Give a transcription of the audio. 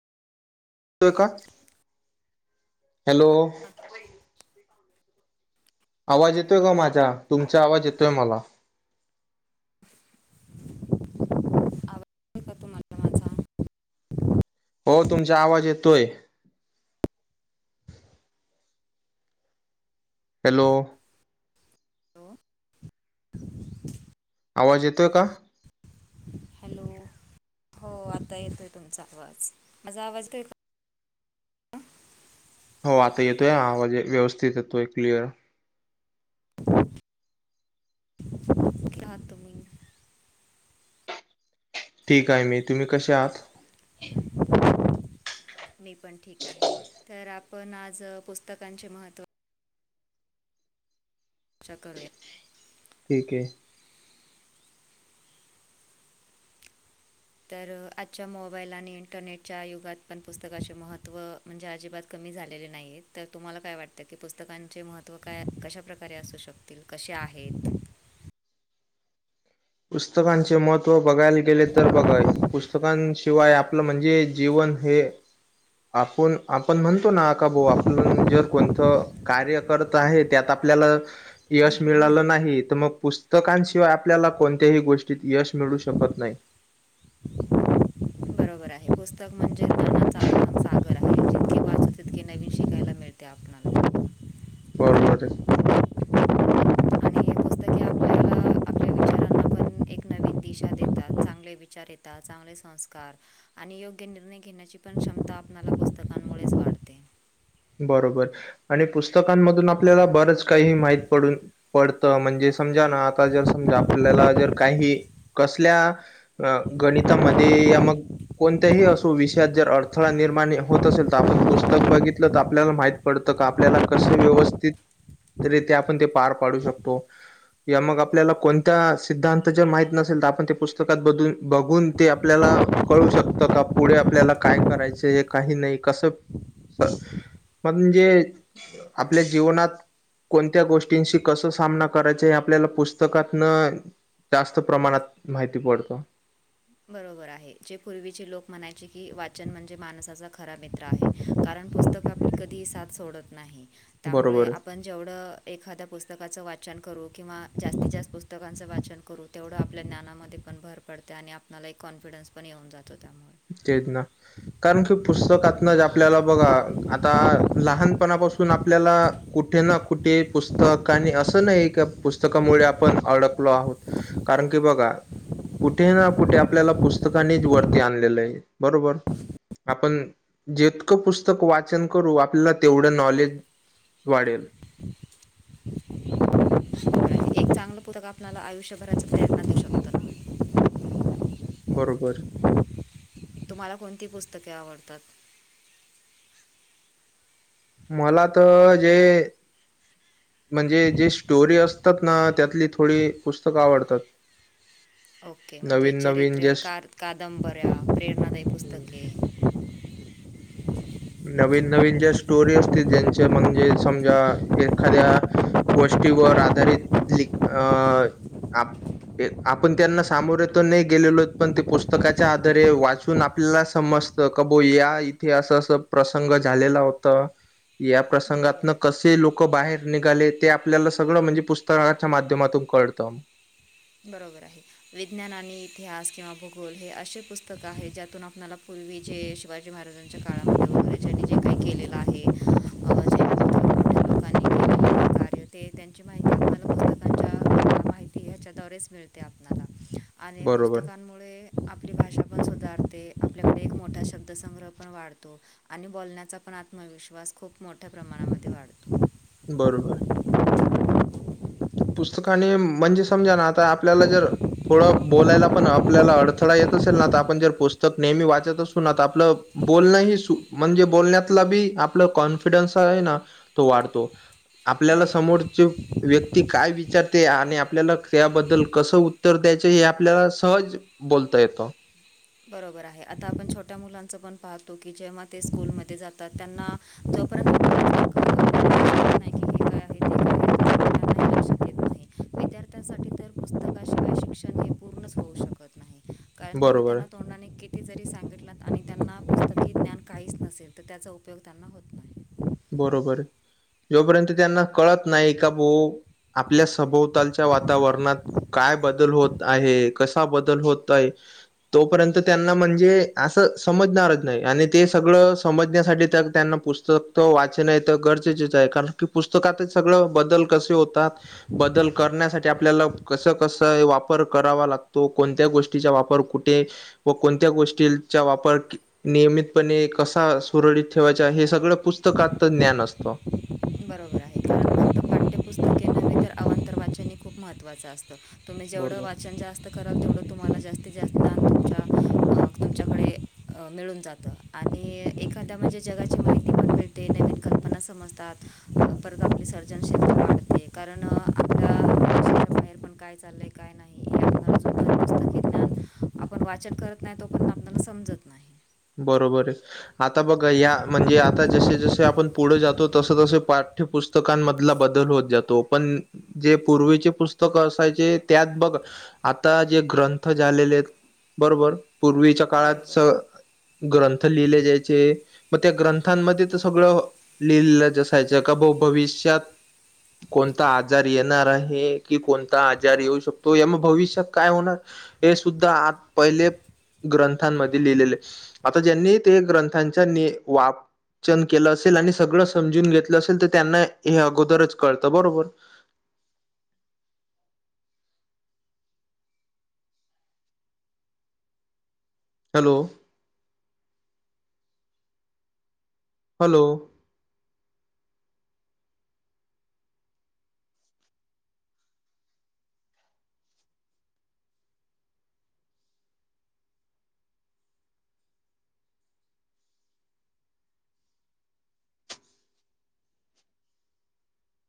का. हॅलो. आवाज येतोय का माझा. तुमचा आवाज येतोय मला. [unintelligible] हो का तुम्हाला माझा- हो तुमचा आवाज येतोय. हॅलो. आवाज येतोय का? हॅलो हॅलो हो आता येतोय तुमचा आवाज. माझा आवाज का. हो आता येतोय ह आवाज व्यवस्थित येतोय क्लिअर. कुठले आहात तुम्ही? ठीक आहे मी तुम्ही कसे आहात. मी पण ठीक आहे तर आपण आज पुस्तकांचे महत्त्व चर्चा करूया. ठीक आहे. तर आजच्या मोबाईल आणि इंटरनेटच्या युगात पण पुस्तकाचे महत्त्व म्हणजे अजिबात कमी झालेले नाही तर तुम्हाला काय वाटत की पुस्तकांचे महत्त्व काय कशाप्रकारे असू शकत तील कसे आहेत. पुस्तकांचे महत्त्व बघायला गेले तर बघा- पुस्तकांशिवाय आपल म्हणजे जीवन हे आपण आपण म्हणतो ना का भाऊ आपल जर कोणत कार्य- पडत आहे त्यात आपल्याला यश मिळाल नाही मग पुस्तकशिवाय आपल्याला कोण कुठल्याही गोष्टीत यश मिळू शकत नाही. बरोबर पुस्तक म्हनजे ज्ञानाचा [unintelligible] जितके वाचू तितके नवीन शिकायला मिळते आपल्याला- बरोबर आहे. आणि हे पुस्तके आपल्याला आपल्या विचारांना पण एक नवीन दिशा देतात चांगले विचार येतात. चांगले संस्कार आणि योग्य निर्णय घेण्याची पण क्षमता आपणाला पुस्तकांमुळेच वाढते. बरोबर आणि पुस्तकांमधून आपल्याला बरंच काही माहीत पडून पडतं, म्हणजे समजा ना आता जर समजा आपल्याला जर काही, कसल्या- अ, गणितामध्ये ते यमक, कोणत्याही असो विषयात जर अडथळा निर्माण होत असेल तर आपण पुस्तक बघित तर आपल्याला माहित पडतं का, आपल्याला कस व्यवस्थित तरी ते आपण ते पार पाडू शकतो. यमक हो आपल्याला कोणत्या सिद्धांत जे माहीत नसेल तर आपण ते पुस्तकात बदून, बघून ते आपल्याला कळू शकतं का? पुढे आपल्याला काय करायचं हे काही नाही कसं मग म्हणजे, आपल्या जीवनात कोणत्या गोष्टींशी कस सामना करायच हे आपल्याला पुस्तकातन जास्त प्रमाणात माहिती पडतो. बरोबर आहे, जे पूर्वीचे लोक म्हणायचे की वाचन म्हणजे माणसाचा खरा मित्र आहे. कारण पुस्तक आपली कधीही साथ सोडत नाही. त्यामुळे बरोबर आहे आपण जेवढं एखाद्या पुस्तकाचं वाचन करू किंवा जास्तीत जास्त पुस्तकांचं वाचन करून. तेवढं आपल्या ज्ञानामध्ये पण भर पडते आणि आपणाला एक कॉन्फिडन्स पण येऊन जातो त्यामुळे. तेच ना. कारण की पुस्तकातन ज आपल्याला बघा, आता लहानपणापासून आपल्याला कुठे ना कुठे पुस्तक आणि असं नाही एका पुस्तकामुळे आपण अडकलो आहोत. कारण की बघा, कुठे ना कुठे आपल्याला पुस्तकनी वरती आणल य, बरोबर. आपण, जितकं पुस्तक वाचन करू आपल्याला तेवढं नॉलेज वाढेल. एक चांगलं पुस्तक आपल्याला आयुष्यभराची प्रेरणा देऊ शकत. बरोबर. तुम्हाला कोणती पुस्तके आवडतात? मला तर जे, म्हणजे जे स्टोरी अस तात, ना त्यातली थोडी पुस्तकं आवडतात. ओके, म्हणजे नवीन नवीन चरित्र्य, जे स- कादंबऱ्या, प्रेरणादायी पुस्तके. नवीन -नवीन ज्या स्टोरी असतील, ज्यांचे म्हणजे समजा एखाद्या गोष्टीवर आधारित लीक अ, आप. आपण त्यांना सामोर तर नाही गेलेलोत, पण ते पुस्तकाच्या आधारे वाचून आपल्याला समज. कबो या इथे असं -अस प्रसंग झालेला होत. या बरोबर प्रसंगातन आहे कसे लोक बाहेर निघाले ते आपल्याला सगळं म्हणजे पुस्त स्तकाच्या माध्यमातून कळत. बरोबर आहे, विज्ञान आणि इतिहास किंवा भूगोल हे अशे पुस्तक आहे ज्यातून आपणाला पूर्वी जे शिवाजी महाराजांच्या काळामध्ये पूर्वजाणी जे काही केलेलं आहे. जे मोठ्या लोकांनी [inaudible] आणि बरोबर, पुस्तकांमुळे. आपली भाषा पण सुधारते, आपल्याकडे एक मोठा शब्दसंग्रह पण वाढतो. आणि बोलण्याचा पण आत्मविश्वास खूप मोठ्या प्रमाणामध्ये वाढतो. बरोबर. पुस्तकाने म्हणजे समजा ना आता आपल्याला जर थोडं बोलायला पण आपल्याला अडथळा येत असेल ना, तर आपण जर पुस्तक नेहमी वाचत असू ना, तर आपलं बोलणं ही, सु म्हणजे बोलण्यातला बी आपलं कॉन्फिडन्स आहे ना. तो वाढतो आपल्याला बरोबर आहे समोरचे व्यक्ती. ती काय विचारते आणि आपल्याला त्याबद्दल कसं उत्तर द्यायचं हे आपल्याला सहज. बोलता येतो. बरोबर आहे आता आपण छोट्या मुलांचं पण पा. पाहतो की जेव्हा ते स्कूलमध्ये जातात त्यांना जोपर्यंत. कळत नाही की हे काय आहे ते काय आहे, तोपर्यंत त्यांना हे लक्षात येत नाही विद्यार्थ्यांसाठी तर पुस्तकाशिवाय शिक्षण हे पूर्णच होऊ शकत नाही कारण तुम्ही बरोबर त्यांना आहे, तोंडानी किती. ते जरी सांगितलंत आणि त्यांना पुस्तक ज्ञान काहीच नसेल तर त्याचा उपयोग त्यांना होत नाही. बरोबर आहे जोपर्यंत त्यांना कळत नाही का भो. आपल्या सभोवतालच्या वातावरणात. काय बदल होत आहे कसा बदल होत आहे. तोपर्यंत त्यांना म्हणजे असं समजणारच नाही आणि ते सगळं समजण्यासाठी तर त्यांना. पुस्तक वाचन तर गरजेचेच आहे कारण की पुस्तकात सगळं बदल कसे होतात. बदल करण्यासाठी आपल्याला कस कस वापर करावा लागतो कोणत्या गोष्टी. गचा वापर कुठे व कोणत्या गोष्टीचा वापर. नियमितपणे कसा सुरळीत ठेवायचा हे सगळं पुस्तकात ज्ञान असतं. बरोबर आहे. कारण फक्त पाठ्यपुस्तके नव्हे तर अवांतर वाचनही खूप महत्त्वां असतं तुम्ही जेवढं बरोबर वाचन जास्त करत थोडं तुम्हाला जास्तीत जास्त तुमच्या तुमच्याकडे अ मिळून जात आणि एखाद्या म्हणजे जगाची माहिती पण मिळते नवीन कल्पना समजतात. सज वाते कारण आपल्या देशाच्या बाहेर पण काय चाललंय काय नाही. आपण वाचन करत नाही तो पण आपला समजत नाही. बरोबर आहे. आता बघ या म्हणजे आता जसे जसे आपण पुढे जातो तस तस पाठ्यपुस्तक. पुस्तकांमधला बदल होत जातो पण जे पूर्वीचे पुस्तक असायचे त्यात बघ. आता जे ग्रंथ झालेले आहेत बरोबर पूर्वीच्या काळात बरोबर आहे ग्रंथ लिले जायचे. मग त्या ग्रंथांमध्ये तर सगळं लिहिलेलं जसायचं का भविष्यात कोणता आजार येणार आहे कि कोणता आजार हो येऊ शकतो. त यामुळे भविष्य काय होणार हे सुद्धा आ पहिले. ग्रंथांमध्ये लिहिलेले आता ज्यांनी ते ग्रंथांच्या नि वाप न केलं असेल आणि सगळं समजून घेतलं असेल तर त्यांना हे अगोदरच कळतं बरोबर. हॅलो. हॅलो.